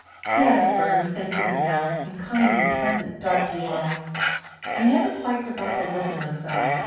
He had a firm, sensitive mouth and kindly, pleasant, dark blue eyes. I never quite forgot the look in those eyes.